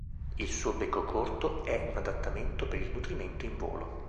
Il suo becco corto è un adattamento per il nutrimento in volo.